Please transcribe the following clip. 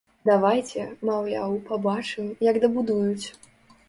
Давайце, маўляў, пабачым, як дабудуюць.